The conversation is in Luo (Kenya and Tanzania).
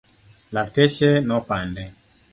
Lakteche nopande.